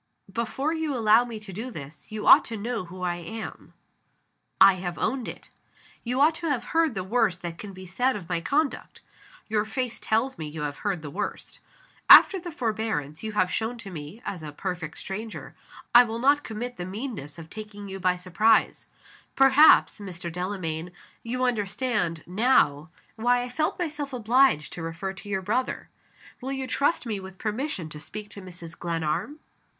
Before you allow me to do this, you ought to know who I am. (I have owned it.) You ought to have heard the worst that can be said of my conduct. (Your face tells me you have heard the worst.) After the forbearance you have shown to me, as a perfect stranger, I will not commit the meanness of taking you by surprise. Perhaps, Mr. Delamayn, you understand, now, why I felt myself obliged to refer to your brother. Will you trust me with permission to speak to Mrs. Glenarm?"